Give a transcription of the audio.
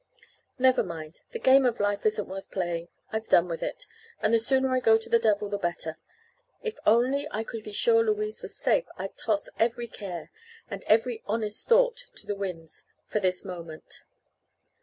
"Never mind. The game of life isn't worth playing. I've done with it, and the sooner I go to the devil the better. If only I could be sure Louise was safe I'd toss every care and every honest thought to the winds, from this moment."